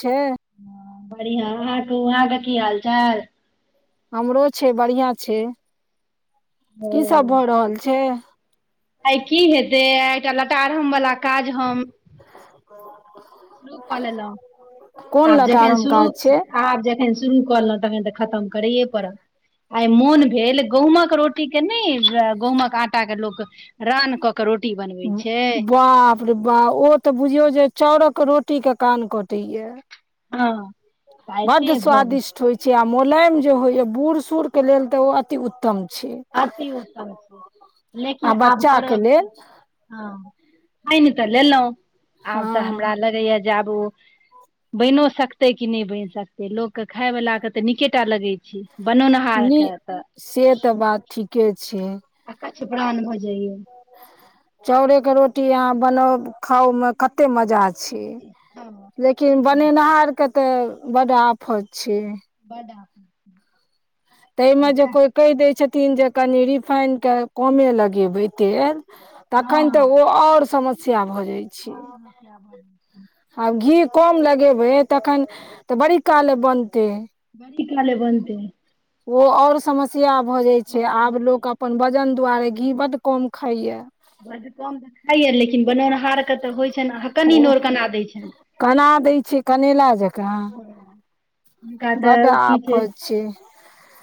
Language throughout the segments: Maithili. छै बढ़िआ वहाँ तू वहाँकेँ कि हाल चाल हमरो छै बढ़िया छै कि सभ हँ भऽ रहल छै आइ कि हेतै आ एकटा लटारम वला काज हम आ शुरू कऽ लेलहुँ आब जखन लटारम शुरू काज छै आब खना शुरू करलहुँ तखन तऽ खतम करैए पड़त आइ मोन भेल गहूँमक रोटी के ने गहूँमक आटा के लोक रान कऽ कर रोटी बने। बाप रे बा ओ तऽ बुझियो जे चाउरक रोटीके कान कटे या ह बड़ स्वादिष्ट होइ छै छै आ मोलायम जे होइए बूढ़ सूढ़के लेल तऽ ओ अति उत्तम छै अति उत्तम छै लेकिन आ आब बच्चा के करब की? लेलऽ हँ पान नहि तऽ लेलहुँ आब तऽ हँ हमरा लगैए जे आब आ बनो सकतै क नहि बनि सकतै लोकके खाय वला के तऽ निकेटा लगै छै नी बनौनहारके त से तऽ बात ठीके छै। आकाछपड़ान भऽ जाइए चाउरे के रोटी यहा बनाउ खाउ मे कते मजा छै लेकिन बनेनिहार के तऽ बड़ आफत छी बडा ताहिमे जे कोई कहि दै छथिन जे कनि रिफाइन के कमे लगेबै तेल। तखन त ओ आऔर समस्या भऽ जाइत छै हन समस्या बन। आब घी कम लगेबै तखन त बड़ी काल बनतै बड़ काले बनते। ओ और समस्या भऽ जाय छै आओर आब समस्या लोक अपन वजन दुआरे घी बड़ कम खाइया बड़ कम तऽ खाइय लेकिन बनौनिहार के तऽ होइ छै ने हकनि नोर केना दैत छै केना दै छियै कनैल जख हुनका बड्ड तऽ कि छै आफत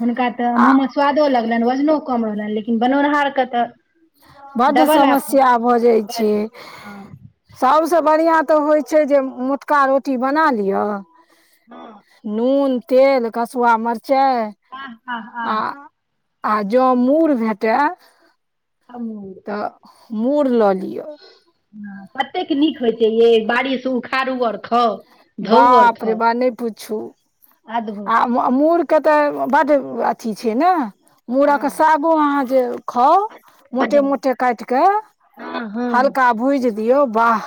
हुनका त आ माछ स्वादो लगलनिन वजनो कम रहलनि लेकिन बनौनिहारके त बड़ समस्या भऽ जाइ छै बड हँ सभसँ बढ़िआ तऽ होइ छै जे मोटका रोटी बना लिआ हँ नून तेल कसुआ मिरचाइ। ह ह आ जो मूड़ भेटै ह। त मूड़ लऽ लियऔ हँ कतेक नीक होइ छै या बारिश उखाड़ू आर खाउ धोउ आओर बाप रे खाउ वाह नहि पूछू आ अद्भुत आ मूरके तऽ बड़ अथी छै ने मूरक हँ सागो अहाँ जे खाउ बड मोटे नीक मोटे काट के हँ हँ हल्का। भुजि दियऔ बाह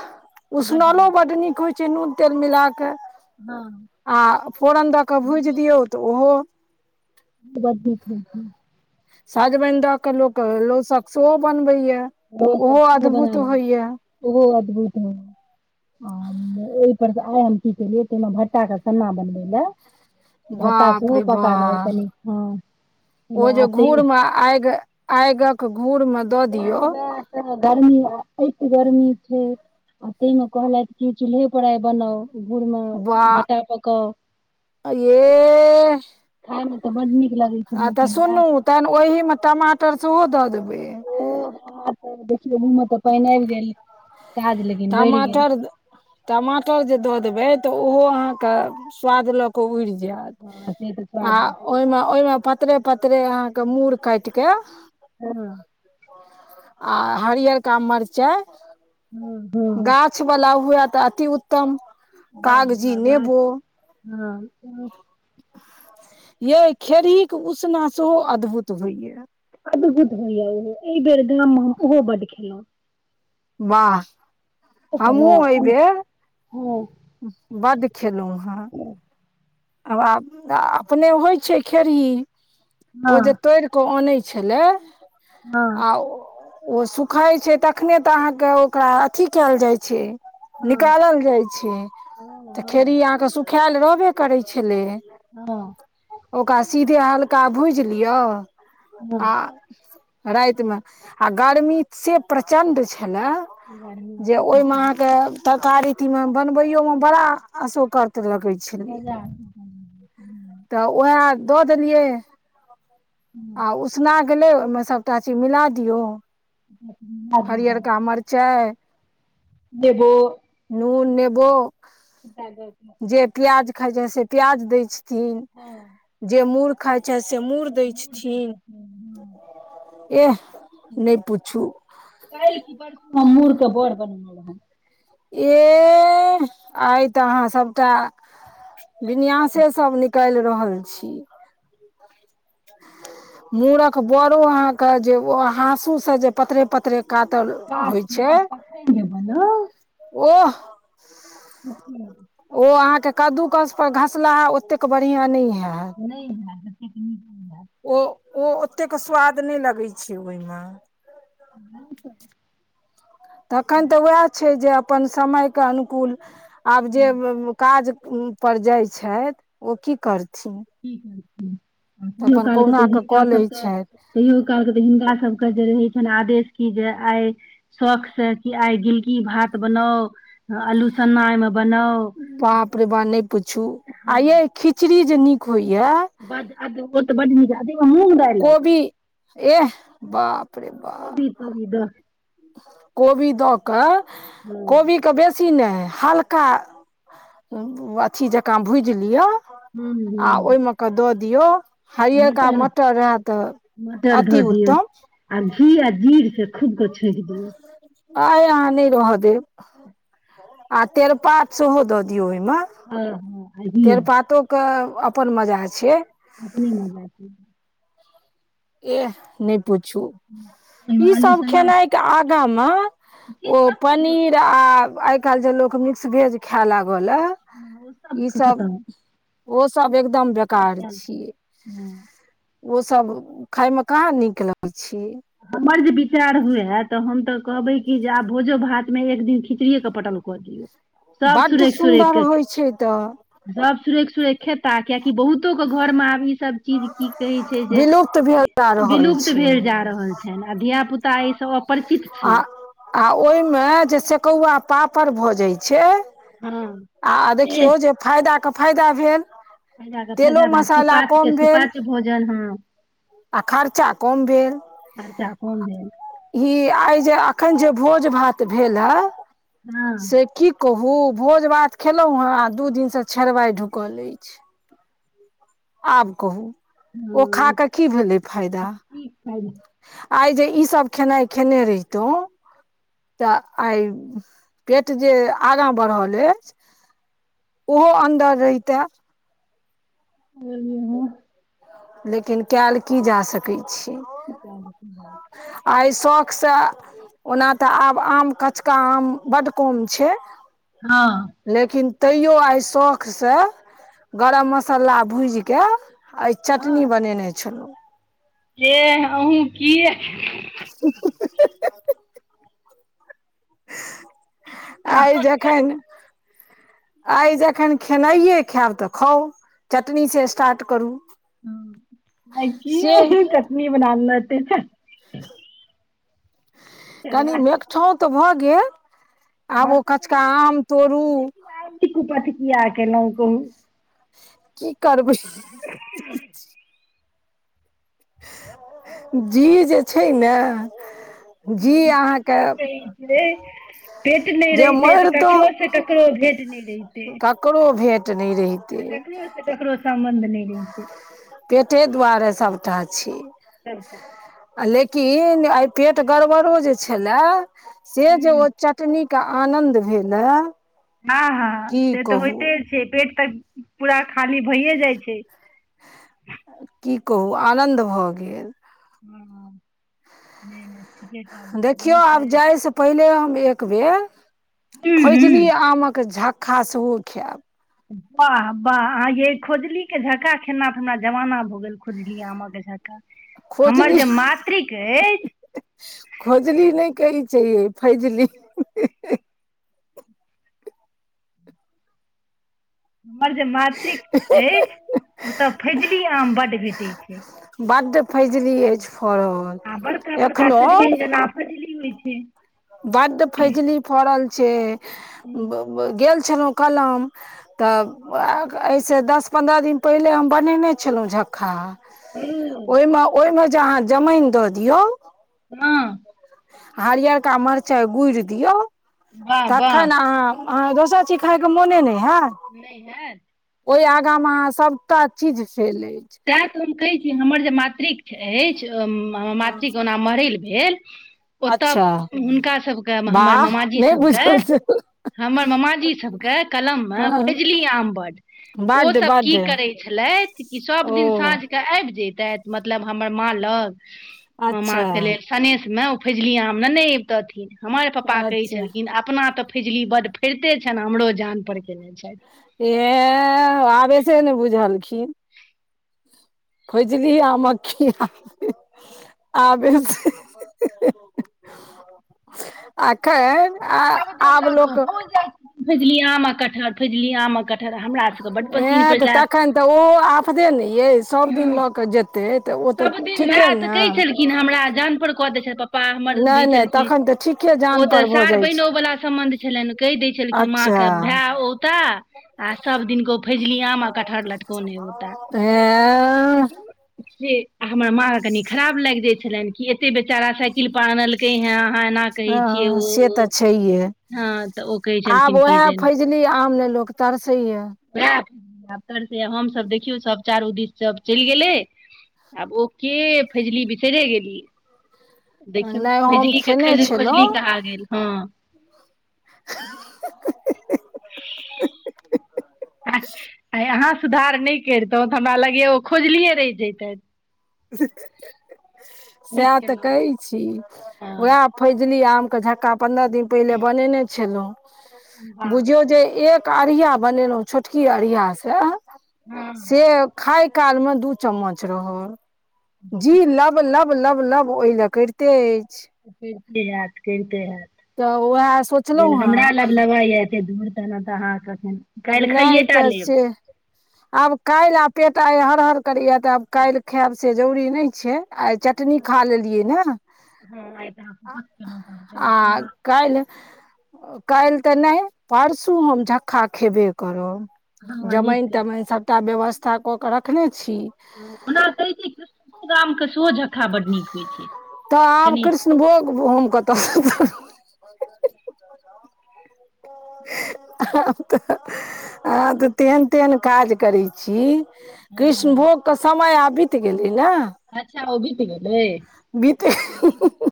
उसनलो बड़ नीक होइ छै नून तेल मिला कऽ हँ अ फोरन दऽ कऽ भूजि दियौ तऽ ओहो ब सजमनि दय के लोक लऽ सक्स बनबै या सब ओहो सेहो बना अद्भुत लेब होइए ओहो अद्भुत नहि। आ ओहि पर आइ हम की केलियै ताहि भटटा के सन्ना बनबे ले भटा [unintelligible] बाप रे बा सूपकागतनी हँ त आग आगक घूर मे दऽ दियौ ह [inaudible] गर्मी ए गर्मी छै आ ताहि मे कहलथि क चूल्हे आई बनाओ गुुरमा [inaudible] बाह ये खायमे तऽ बड नीक लगैत छै आ तऽ लेकिन वएह सुनू तहन ओहिमे टमाटर सेहो दऽ देबै ओ [inaudible] अहाँ तऽ देखियौ घूम तऽ पानि आबि गेल काज लेकिन बढ़ि गेल टमाटर टमाटर जे दऽ देबै तऽ ओहो अहाँके स्वाद लऽ कऽ उड़ जायत हँ से तऽ आ स्वाद ओहिमे ओहिमे पतरे पतरे अहाँके मूर काट के ह [inaudible] आ हरिहरियका का मिरचाइ ह ह माछ वला हुए तऽ अति उत्तम वाह कागजी वाह गाछ नेबो हँ ये खेड़हीक के उसना सेहो अद्भुत होइया अद्भुत होइया [unintelligible] एहि बेर गाम मे हम ओहो बड्ड खेलहुं वाह ना हँ [inaudible] बढढ खेलहुॅं हेँ आ अपने होइ छै खेड़ही ओ जे तोड़िके केऽ अनै छलै हँ हँ आ ओ सुखाय छै तखने तऽ अहाँके ओकरा अथी कयल जाइ छै हँ निकालल जाइ छै तऽ खेड़ हँ अहाँके सुखायल रहबे करै छलै हँ ओकरा सीधे हल्का भूजि लियौ हँ आ रातमे आ गर्मी से प्रचण्ड छलए ने गर्मी जे ओहमे अहाँके तरकारी मे बनवयो मे बड़ा अशोककत लगे छै बजार तऽ वएह दऽ देलियै रहै आ उसना गेलै ओहमे सभटा चीज मिला दियौ [inaudible] हरियरका हँ मरचाइ, नेबो नून नेबो [unintelligible] जे प्याज खाय छै से प्याज दय छथिन हँ जे मुर खाय छै से मुर जे मूड़ दै छथिन हँ येह नै पूछू हम मुरके बड़ बनेने रहौं एह आइ तऽ अहाँ सभटा विन्यासे सब निकाल रहल छी मूरक बरो अहाँके जे हाँसू से जे पतरे पतरे पातर होइ काचू छै, आ तखन जे बनाउ ओह! [unintelligible] ओ अहाँकेँ कद्दू कस पर घसलाहा ओतेक बढ़िया नहि हैत नहि हैत ओतेक नीक नै हैत ओ ओतेक स्वाद नै लगैछै ओइमे [unintelligible] अखन तऽ उएह छै जे अपन समय के अनुकूल आब जे हँ काज पर जाय छथि ओ की करथिन तऽ दु अपन साल सऽ तऽ कहुना कऽ हिनका कऽ लै सभके छथि कहियो कालके तऽ हिनका सभके जे रहै छनि आदेश कि जे आइ सख कि आइ गिलकी भात बनाउ अल्लू सन्ना ओइमे बनाउ, बाप रे बा नहि पूछू ह आ ये खिचड़ी जे नीक होइ। [unintelligible] कबी एह, बाप रे बाप [unintelligible] कोबी दऽ कऽ हँ कोबी कऽ बेस तिनै हल्का, अथी जकाँ भूजि लिआ हूं आ हूं ओइमेक दऽ दियौ। हयिका मटर रहए त मटर धऽ दियौ अतिउत्तम घी आ जीर से खूब कऽ छैंक दियौ अइ अहाँ नहि रह देब आ तेरपात सेहो दऽ दियौ ओइमे हँ हँ आ घी तेड़पातोके अपन मजा छै अपने मजा छै। एह नहि पूछू, ओहिमे ई आलू सभ सना खेनाइ के आगा मे जे ओ सब चीज पनीर आ आइ काल्हि जे लोक मिक्स भेज खैए लागऽ ले ह ओइ सभके खतम ओ सभ एकदम सब बेकार खायल छै छियै, हँ ओ सभ खायमे कहाँ नीक लगै छै हमर जे विचार हुए हम तऽ कहबै कि जे आब भोजो भातमे एक दिन खिचड़िएके पटल कऽ दियौ बड़ सुन्दर होइ छै तऽ सभ सुरेक सूरेक खेता कियकि बहुत तौ के घर मे आब ई सभ चीज की कहै छै जे विलुप्त भेल जा रहल विलुप्त छै भेल जा कह छनि आ धिया पुता एहि सभ अपरिचित छी आ आ ओहिमे जे सेकौआ पापड़ भऽ जाइ छै। हँ आ देखियौ जे फायदा के फायदा भेल। फायदा के तेलो फायदा भेल मसाला सुपाच्यके कम भेल सुपाच्य भोजन ह आ खर्चा कम भेल। खर्चा कम भेल इ आइ जे अखन जे भोज भात भेल ह हँ से कि कहू भोज भात खेलहुँ हे आ दू दिनसँ छेरवाइ ढुकल अछि आब कहू ओ खा हँ क कि भेलै फायदा की फायदा आइ जे ई सभ खेनाइ खेने रहितहु त आइ पेट जे आगाँ बढ़ल अछि। ओहो अन्दर रहिते। ह। लेकिन कायल की जा सकैत छै [unintelligible] आ एहि शौखसँ ओना तऽ आब आम कचका आम बड कम छै हँ लेकिन तैयो आइ शौखसँ गरम मसाला भूजि केऽ आई चटनी बनेने छलौ येह अहूँ कि ह [unintelligible] आइ जखैन आइ जखन खेनाइये खायब तऽ खाउ चटनी से स्टार्ट करू आई की से ओ चटनी बनाना [unintelligible] कनी चरबा मेठाँ तऽ भऽ गेल आब हम ओ तऽ कचका रहै छी, आम तोड़ू लेकिन आइ ई कुपथ कीया केलौ कहु की करबै जी जे छै ने जी अहाँके ठीके कहै छै भेट नहि जे रहितै तऽ मरतो ककरो से ककरो भेट नहि रहितै ककरो भेट नय रहि ते केकरो से ककरो सम्बंध नय रैहितै पेटे दुआरे सभटा छै सबटा लेकिन आइ पेट गड़बड़ो जे छएला से जे ओ चटनी के आनंद भेलाय हँ हँ से तऽ होइते छै पेट तऽ पूरा खाली भए जाइ छै की कहू आनन्द भऽ गेल हँ नय नय ठिके देखियौ आब जाय स पहिले हम एक बेर हूँ फैजली हूँ आमक झ खासहु खायब वाह वाह आ यै खोजलीे झक्का खेना तऽ हमरा जमाना भऽ गेल खोजली आम के झक्का हमर खोजली जे मातृक ऐछि खोजली नय कहै छैै यई फैजली हमर जे मातृक अय ओतय फैजली आम बड्ड भेटै छै बड्ड फैजली अछि फड़ल एखनो फैजली होइ छै बड्ड फैजली फड़ल छै गेल ब छलहुँ कलम तऽ एहिसँ दस पन्द्रह दिन पहिले हम बनेने छलौ झखा ओ ओईमे ओईमे जे अहाँ जमैन दऽ दियौ हँ हरियरका मरचाइ गुड़ि दियौ वाह वाह तखन अहाँ अहाँके दोसर चीज खाइके मोने नय हएत नय हयत ओय आगा मे अहाँ सभटा चीज सेल अछि तैँ तऽ हम कहैत छी हमर जे मातृक अछि हँ मातृ के ओना मरैल भे। ओतऽ अच्छा हुनका सभके हमर वाह मामाजी नहि सभके बुझल छल हमर मामाजी सभके कलममे हँ फजली आम बड़ बड्ड ओसभ कि बड्ड करै छलथि कि सभ ओ दिन साँझ के आबि जतै मतलब हमर माँ लग माँ अच्छा ख लेल सनेशमे ओ फैजली आम ने नहि अबितथिन हमर पापा कहै अच्छा छलखिन अपना त फिजली बड़ फरिते छनि हमरो जानपर कने छथि हे आबेसे नै बुझलखिन। फजली आम कि आब। एखन आ। आब लोक जली आ कटहर फजली आह। ए तऽ तखन ओहो आफदे ने यइ सभ दिन लऽ कऽ जेतै हतै तऽ ओ तऽ सब दिन ठीके भाय तऽ न कहै छलखिन हमरा अजान पर कऽ द छथि पापा हमर भी नहि नहि छलखिन तखन तऽ ठीके ओ जान तऽ पर भऽ सार जाइ छै बहिनो वाला सम्बंध छलनि। कहि दै छलखिन अच्छा माँके भाय औत आ सभ दिन ग ओ फेजली आम आ कटहर लटकोने होता अहे हमर माँ कनी खराब लागि जाय छलनि कि एते बेचारा साइकिल पर आनल है अहाँ एना कहै हँ छियै से तऽ ओ छैहे हँ तऽ ओ कहै छलखिन जे ने आम ने लोको तरसे या एर से हमसभ देखियौ सभ चारू दिस सभ चलि गेलै आब ओके फजली बिचरे गेली। नहि हम देखियौ खेने खजली खोजली छलहुँ कह गेल ह [unintelligible] आइ अहाँ सुधार नहि करितहुँ त हमरा लगैया ओ खोजलिये रहि जैतै नीक सएह त केलहुँ कहै छी उएह हँ फैजली आम के झक्का पन्द्रह दिन पहिले बने छलहुँ वाह बुझियौ जे एक अरिया बनेलहुँ छोट कि अरिया हँ से खाय काल मे दू चम्मच रहल जी लब लब लब ओहि लऽ करिते अछि करिते हैत करिते तऽ उएह सोचलहुँ हयैत हेँ हमरा लभ लबा दूर त ने तऽ अहाँ कऽ काल्हि खाइये नहि टा तऽ लेब से आब काल्हि आ पेट आइ हरहर करैय तऽ आब काल्हि खायब से जरूरी नहि छै आइ चटनी खा लेलियै न हँ आ। आ कएल काल्हि तऽ नहि परसू हम झक्का खेबे करब हँ जमाइन। नीक तमाइन सभटा व्यवस्था कऽ के रखने छै ओ कैामके त आब कृष्णभोग हम कतहु [inaudible] त अहाँ तऽ तेहन तेहन काज करैत छी हँ कृष्णभोग के समय आबीत गेलै न अच्छा ओ बीत गेलै बीते [unintelligible]